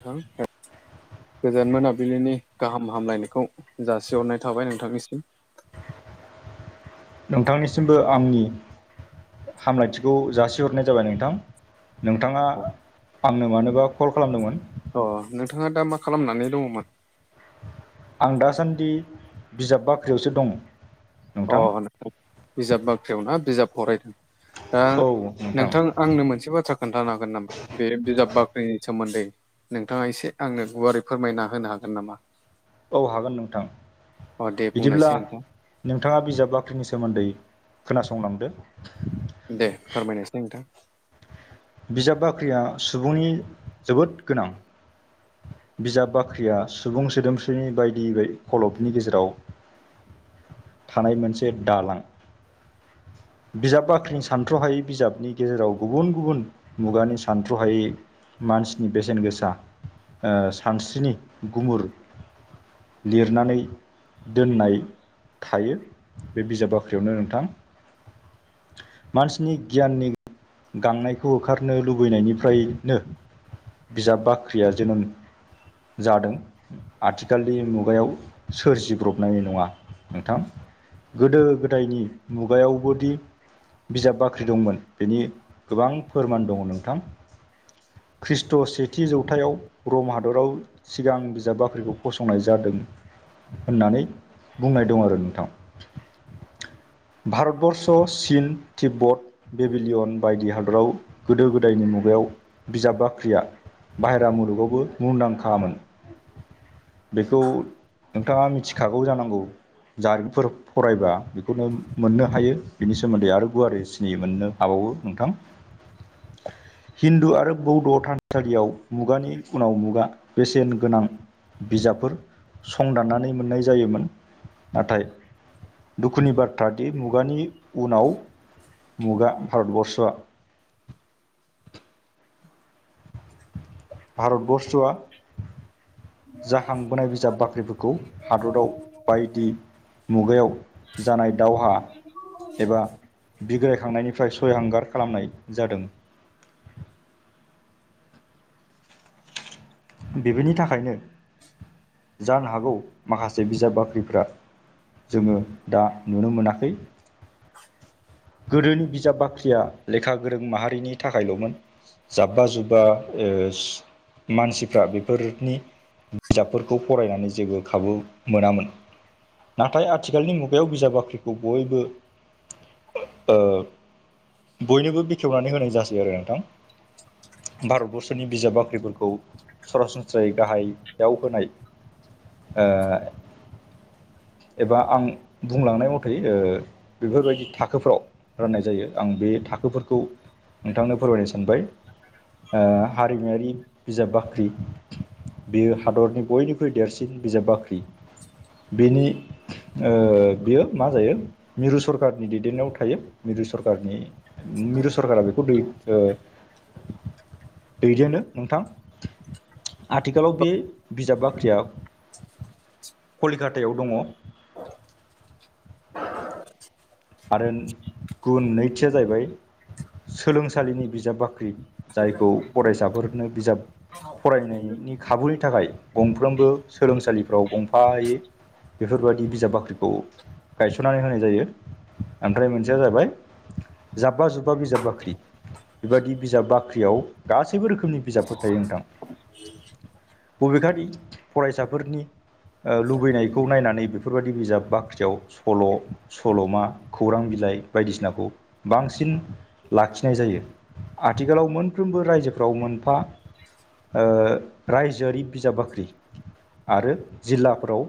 थां गोजोन मोनाबिलिनि गाहाम हामलायनायखौ जासिहरनाय थाबाय नोंथांनिसिम नोंथांनिसिमबो आंनि हामलायथिखौ जासिहरनाय जाबाय नोंथां नोंथाङा आंनो मानोबा कल खालामदोंमोन अ नोंथाङा दा मा खालामनानै दङमोन आं दासान्दि बिजाब बाख्रियावसो दं अ नोंथां नोंथ बिजाब बाख्रियाव ना बिजाब फरायदों दा नोंथां आंनो मोनसे बाथ्रा खोन्थानो हागोन नामा बे बिजाब बाख्रिनि सोमोन्दै नोंथाङा एसे आंनो गुवारै फोरमायना होनो हागोन नामा औ हागोन नोंथां अ दे बिदिब्ला बुंनायसै नोंथां नोंथाङा बिजाब बाख्रिनि सोमोन्दै खोनासंलांदो दे फोरमायनोसै नोंथां बिजाब बाख्रिया सुबुंनि जोबोद गोनां बिजाब बाख्रिया सुबुं सोदोमस्रिनि बायदि बाय खलबनि गेजेराव थानाय मोनसे दालां बिजाब बाख्रिं सानथ्र'हायै बिजाबनि गेजेराव गुबुन गुबुन मुगानि सानथ्र'हायै मानसिनि बेसेन गोसा ओ सानस्रिनि गुमुर लिरनानै दोननाय थायो बे बिजाब बाख्रियावनो नोंथां मानसिनि गियाननि गांनायखौ होखारनो लुबैनायनिफ्रायनो बिजाब बाख्रिया जोनोम जादों आथिखालनि मुगायाव सोरजिब्रबनाय नङा नोंथां गोदो गोदायनि मुगायावबोदि बिजाब बाख्रि दंमोन बेनि गोबां फोरमान दङ नोंथां खृष्ट सेथि जौथायाव रम हादराव सिगां बिजाब बाख्रिखौ फसंनाय जादों होननानै बुंनाय दं आरो नोंथां भारतबर्स चीन तिब्बत भेभेलियन बायदि हादराव गोदो गोदायनि मुगायाव बिजाब बाख्रिया बाहेरा मुलुगावबो मुंदांखामोन बेखौ नोंथाङा मिथिखागौ जानांगौ जारिफोर फरायबा बेखौनो मोननो हायो बिनि सोमोन्दै आरो गुवारै सिनि मोननो हाबावो नोंथां [unintelligible] हिन्दु आरो बौद्ध' थानसालियाव मुगानि उनाव मुगा बेसेन गोनां बिजाबफोर संदाननानै मोननाय जायोमोन नाथाय दुखुनि बाथ्रा दि मुगानि उनाव मुगा भारतबर्स आ भारतबर्स आ जाहांबोनाय बिजाब बाख्रिफोरखौ हादराव बायदि मुगायाव जानाय दावहा एबा बिग्रायखांनायनिफ्राय सयहांगार खालामनाय जादों बेफोरनि थाखायनो जानो हागौ माखासे बिजाब बाख्रिफा जोङो दा नुनो मोनाखै गोदोनि बिजाब बाख्रिया लेखा गोरों माहारिनि थाखायल'मोन जाब्बा जुब्बा ओ मानसि फ्रा बेफोरनि बिजाबफोरखौ फरायनानै जेबो खाबु मोनामोन नाथाय आथिखालनि मुगायाव बिजाब बाख्रिखौ बयबो ओ बयनोबो बेखेवनानै होनाय जासै आरो नोंथां भारतबर्सनि बिजाब बाख्रिफोरखौ सरासनस्रायै गाहायाव होनाय ओ एबा आं बुंलांनाय मथै ओ बेफोरबायदि थाखोफ्राव राननाय जायो आं बे थाखोफोरखौ नोंथांनो फोरमायनो सानबाय ओ हारिमायारि बिजाब बाख्रि बेयो हादरनि बयनिख्रुइ देरसिन बिजाब बाख्रि बेनि ओ बियो मा जायो मिरु सरखारारनि दैदेननायाव थायो मिरु सरकारनि मिरु सरकारा बेखौ दै ओ दैदेनो नोंथां आथिखालाव बे बिजाब बाख्रिया कलिकातायाव दङ आरो गुबुन नैथिया जाहैबाय सोलोंसालिनि बिजाब बाख्रि जायखौ फरायसाफोरनो बिजाब फरायनायनि खाबुनि थाखाय गंफ्रोमबो सोलोंसालिफ्राव गंफायै बेफोरबायदि बिजाब बाख्रिखौ गायसननानै होनाय जायो ओमफ्राय मोनसेया जाबाय जाब्बा जुब्बा बिजाब बाख्रि बेबायदि बिजाब बाख्रियाव गासैबो रोखोमनि बिजाबफोर थायो नोंथां बबेखानि फरायसाफोरनि ओ लुबैनायखौ नायनानै बेफोरबायदि बिजाब बाख्रियाव सल' सल'मा खौरां बिलाइ बायदिसिनाखौ बांसिन लाखिनाय जायो आथिखालाव मोनफ्रोमबो रायजोफ्राव मोनफा ओ रायजोआरि बिजाब बाख्रि आरो जिल्लाफोराव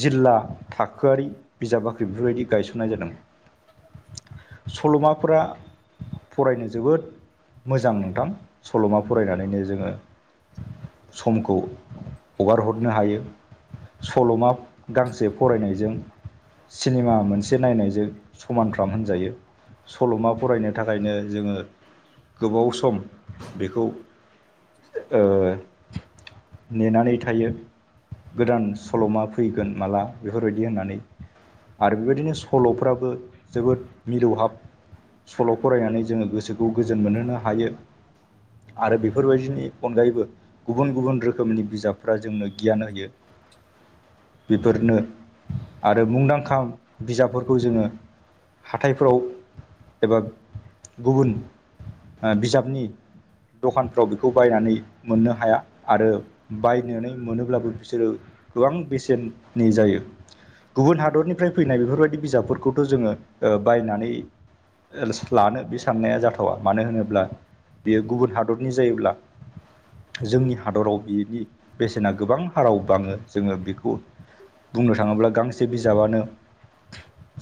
जिल्ला थाखोआरि बिजाबाख्रि बेफोरबायदि गायसननाय जादों सल'माफोरा फरायनो जोबोद मोजां मोनथां सल'मा फरायनानैनो जोङो समखौ हगार हरनो हायो सल'मा गांसे फरायनायजों सिनेमा मोनसे नायनायजों समानफ्राम होनजायो सल'मा फरायनो थाखायनो जोङो गोबाव सम बेखौ ओ नेनानै थायो गोदान सल'मा फैगोन माला बेफोरबायदि होननानै, आरो बेबायदिनो सल'फ्राबो जोबोद मिलौहाब सल फरायनानै जोङो गोसोखौ गोजोन मोनहोनो हायो। आरो बेफोरबायदिनि अनगायैबो, गुबुन गुबुन रोखोमनि बिजाबफ्रा जोंनो गियान होयो। बेफोरनो आरो मुंदांखा बिजाबफोरखौ जोङो हाथायफोराव एबा गुबुन ओ बिजाबनि दखानफ्राव बेखौ बायनानै मोननो हाया आरो बायनानै मोनोब्लाबो बिसोरो गोबां बेसेननि जायो गुबुन हादरनिफ्राय फैनाय बेफोरबायदि बिजाबफोरखौथ' जोङो बायनानै [unintelligible] लानो बे साननाया जाथावा मानो होनोब्ला बेयो गुबुन हादरनि जायोब्ला जोंनि हादराव बिनि बेसेना गोबां हाराव बाङो जोङो बेखौ बुंनो थाङोब्ला गांस बिजाबानो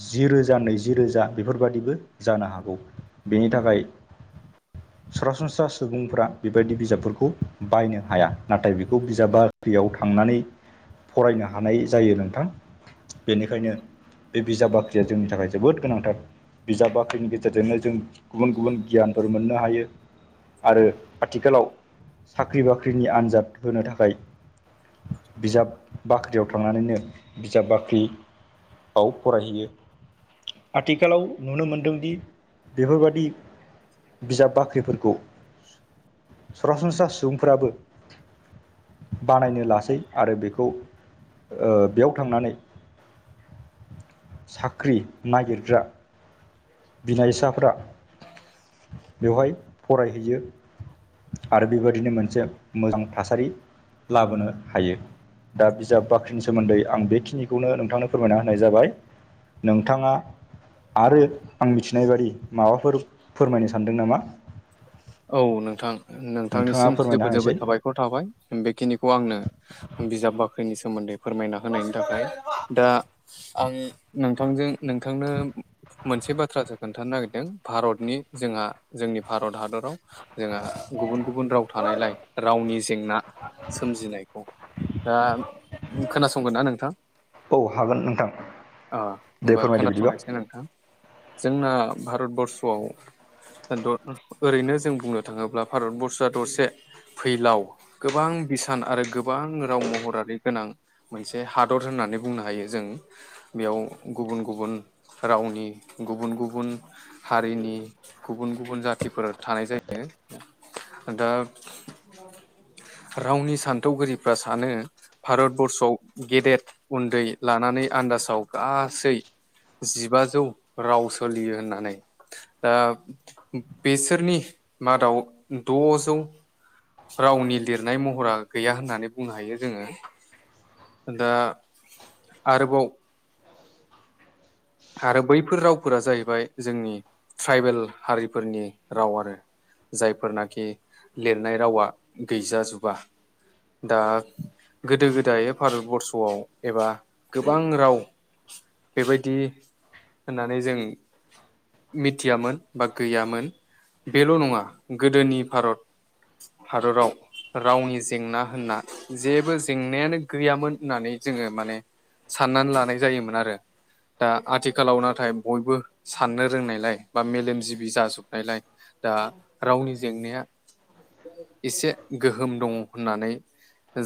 जि रोजा नैजि रोजा बेफोरबादिबो जानो हागौ बेनि थाखाय [inaudible] सरासनस्रा सुबुंफोरा बेबायदि बिजाबफोरखौ बायनो हाया नाथाय बेखौ बिजाबा साख्रियाव थांनानै फरायनो हानाय जायो नोंथां, बेनिखायनो बे बिजाब बाख्रिया जोंनि थाखाय जोबोद गोनांथार बिजाब बाख्रिनि गेजेरजोंनो जों गुबुन गुबुन गियानफोर मोननो हायो। आरो आथिखालाव साख्रि बाख्रिनि आन्जाद होनो थाखाय, बिजाब बाख्रियाव थांनानैनो बिजाब बाख फ्रिआव फरायहैयो, आथिखालाव नुनो मोनदोंदि बेफोरबादि, बिजाब बाख्रिफोरखौ सरासनस्रा सुबुंफोराबो, बानायनो लासै आरो बेखौ ओ बेयाव थांनानै, साख्रि नागिरग्रा बिनायसाफोरा, बेवहाय फरायहैयो आरो बेबायदिनो मोनसे मोजां थासारि लाबोनो हायो। दा बिजाब बाख्रिनि सोमोन्दै आं बेखिनिखौनो नोंथांनो, फोरमायना होनाय जाबाय नोंथाङा आरो आं मिथिनाय बादि माबाफोर फोरमायनो सानदों नामा? औ नोंथां नोंथाङा नोंथांनिसिम फोरमायना जोबोद जोबोद होनोसै साबायखर थाबाय बेखिनिखौ आंनो बिजाब बाख्रिनि सोमोन्दै फोरमायना होनायनि थाखाय दा आं नोंथांजों नोंथांनो मोनसे बाथ्रासों खोन्थानो नागिरदों भारतनि जोंहा जोंनि भारत हादराव जोंहा गुबुन गुबुन राव थानायलाय रावनि जेंना सोमजिनायखौ, दा खोनासंगोन ना नोंथां? औ हागोन नोंथां अ दे होमबा फोरमायदो बिदिबा खोनासंनासै नोंथां जोंना भारतबर्स'आव ओरैनो, जों बुंनो थाङोब्ला भारतबर्सआ दरसे फैलाव गोबां बिसान आरो गोबां राव महरारि गोनां मोनसे हादर होननानै बुंनो हायो जों, बेयाव गुबुन गुबुन रावनि गुबुन गुबुन हारिनि गुबुन गुबुन जाथिफोर थानाय जायो। दा रावनि सान्थौगिरिफ्रा सानो भारतबर्सआव गेदेर उन्दै लानानै आन्दाजाव गासै जिबाजौ राव सोलियो होननानै दा बेसोरनि मादाव द'जौ रावनि लिरनाय महरा गैया होननानै बुंनो हायो जोंङो। दा आरोबाव आरो बैफोर रावफोरा जाहैबाय जोंनि ट्राइबेल हारिफोरनि राव आरो जायफोरनाखि लिरनाय रावा गैजाजोबा दा गोदो गोदाय भारतबर्स'आव एबा गोबां राव बेबायदि होननानै जों मिथियामोन बा गैयामोन बेल' नङा गोदोनि भारत भारताव रावनि जेंना होनना जेबो जेंनायानो गैयामोन होननानै जोङो माने, साननानै लानाय जायोमोन आरो दा, आथिखालाव नाथाय बयबो साननो रोंनायलाय बा मेलेमजिबि जाजोबनायलाय, दा रावनि जेंनाया, एसे गोहोम दङ होननानै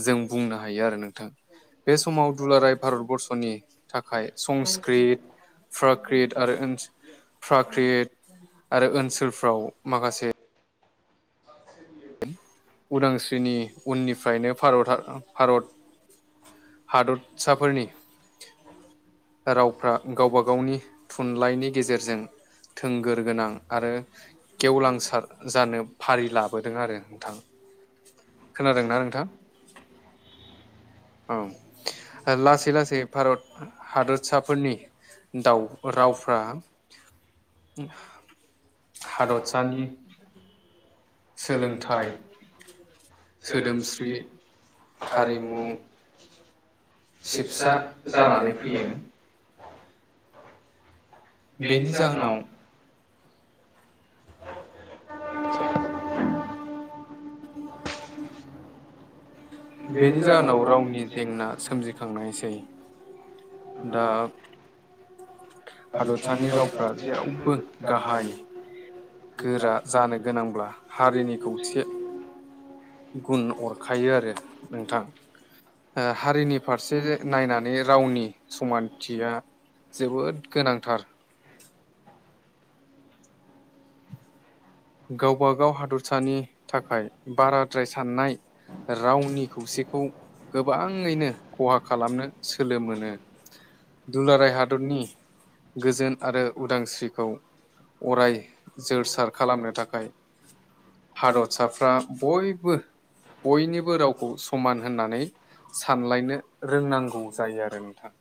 जों बुंनो हायो आरो नोंथां बे समाव दुलाराय भारत बरर्सनि थाखाय संस्कृत प्रक्रियेत आरो ओनस फ्राक्रित आरो ओनसोलफ्राव माखासे उदांस्रिनि उननिफ्रायनो भारता भारत हादरसाफोरनि रावफ्रा गावबा गावनि थुनलाइनि गेजेरजों थोंगोर गोनां आरो गेवलांसार जानो फारि लाबोदों आरो नोंथां। खोनादों ना नोंथां औ लासै लासै भारत हादोरसाफोरनि दाव रावफ्रा हादरसानि भारतसानि सोलोंथाइ सोदोमस्रि हारिमु सिफसा जानानै फैयो। बेनि जाहोनाव [inaudible] बेनि जाहोनाव रावनि जेंना सोमजि खांनायसै दा हादरसानि रावफ्रा जेरावबो गाहाय गोरा जानो गोनांब्ला हारिनि खौसे गुन अरखायो आरो नोंथां। हारिनि फारसे नायनानै रावनि समानथिया जोबोद गोनांथार। गावबागाव हादोरसानि थाखाय बाराद्राय साननाय रावनि खौसेखौ गोबाङैनो खहा खालामनो सोलो मोनो। दुलाराय हादरनि गोजोन आरो उदांस्रिखौ अराय जोर सार खालामनो थाखाय भारतसाफ्रा बयबो बयनिबो रावखौ समान होननानै सानलायनो रोंनांगौ जायो आरो नोंथां।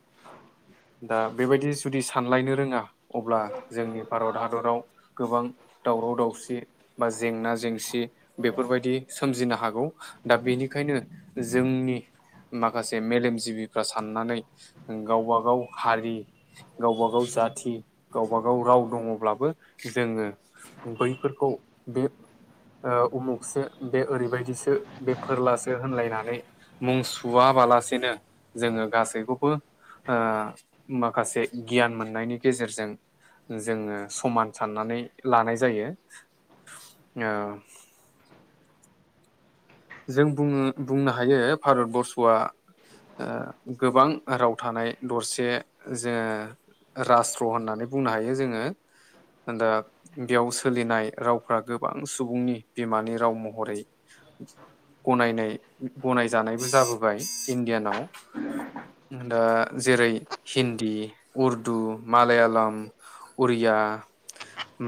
दा बेबायदि जुदि सानलायनो रोङा अब्ला जोंनि भारत हादराव गोबां दावराव दावसि बा जेंना जेंसि बेफोरबायदि सोमजिनो हागौ दा बेनिखायनो जोंनि माखासे मेलेमजिबिफ्रा साननानै गावबा गाव हारि गावबा गाव जाथि गावबाागाव राव दङब्लाबो जोङो बैफोर खौ बे उमुखसो बे ओरैबायदिसो बे फोरलासो होनलायनानै मुं सुवाबालासिनो जोङो गासैखौबो ओ माखासे गियान मोननायनि गेजेरजों जोंङो समान साननानै लानाय जायो। ओ जों बुंङो बुंनो हायो भारतबर्स आ ओ गोबां राव थानाय दरसे जोंङो रास्ट्र होननानै बुंनो हायो जोंङो। दा बेयाव सोलिनाय रावफ्रा गोबां सुबुंनि बिमानि राव महरै गनायनाय गनायजानायबो जाबोबाय इण्डियानाव दा जेरै हिन्दी उर्दु मालायालाम उरिया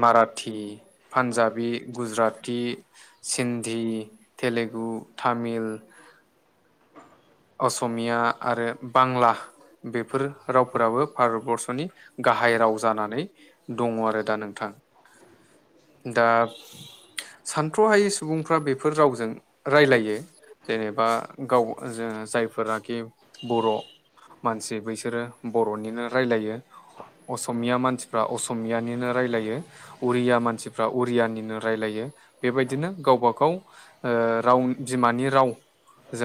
माराठी पान्जाबि गुजराती सिन्धी तेलेगु तामिल असमिया आरो बांला बेफोर रावफोराबो भारतबर्सनि गाहाय राव जानानै दङ आरो दा नोंथां दा सानथ्र'हायै सुबुंफ्रा बेफोर रावजों रायलायो जेनेबा गाव जायफोरनाखि बर' मानसि बैसोरो बर'निनो रायलायो असमिया मानसिफ्रा असमियानिनो रायलायो उरिया मानसि उरियानिनो रायलायो बेबायदिनो गावबाागाव राव बिमानि राव जों